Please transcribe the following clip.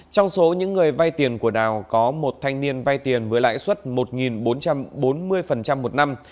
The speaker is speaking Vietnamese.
trong số những người vay tiền của đào có một thanh niên vay tiền với lãi suất một bốn trăm bốn mươi một năm